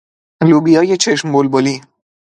لوبیای چشم بلبلی